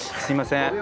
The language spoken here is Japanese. すいません。